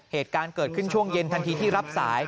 เหตุการณ์เกิดขึ้นช่วงเย็นทันทีที่รับสาย